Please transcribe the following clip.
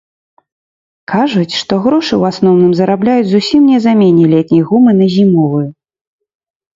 Кажуць, што грошы ў асноўным зарабляюць зусім не замене летняй гумы на зімовую.